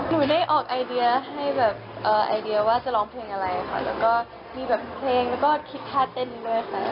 หนูได้ออกไอเดียให้แบบไอเดียว่าจะร้องเพลงอะไรค่ะแล้วก็มีแบบเพลงแล้วก็คิดท่าเต้นด้วยค่ะ